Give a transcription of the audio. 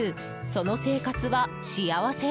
その生活は幸せ？